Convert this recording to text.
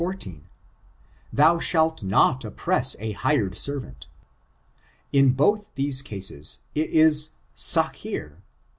14: "Thou shalt not oppress a hired servant." In both these cases, it is sacheer.